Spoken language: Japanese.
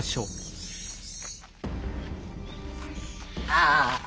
ああ。